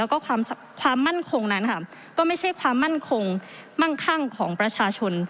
แล้วก็ความมั่นคงนั้นค่ะก็ไม่ใช่ความมั่นคงมั่งคั่งของประชาชน